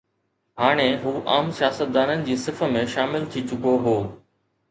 هاڻي هو عام سياستدانن جي صف ۾ شامل ٿي چڪو هو.